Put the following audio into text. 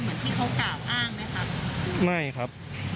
ผมแค่ปกป้องตัวเองครับ